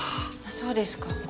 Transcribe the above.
そうですか。